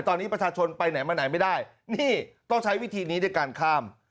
ตอนนี้ประชาชนไปไหนมาไหนไม่ได้นี่ต้องใช้วิธีนี้ในการข้าม